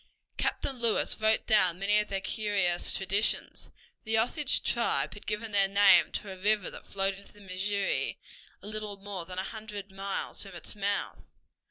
Captain Lewis wrote down many of their curious traditions. The Osage tribe had given their name to a river that flowed into the Missouri a little more than a hundred miles from its mouth.